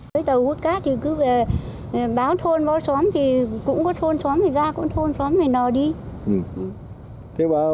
cái tàu hút cát thì cứ báo thôn báo xóm thì cũng có thôn xóm thì ra cũng thôn xóm thì nò đi